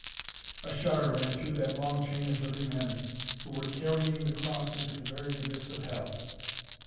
A shudder ran through that long chain of living men, who were carrying the Cross into the very abyss of Hell.